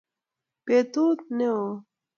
Betut ne oo